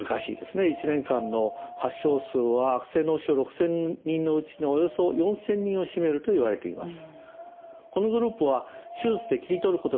１年間の発症数は悪性脳腫瘍６，０００人のうちのおよそ４，０００人を占めるといわれています。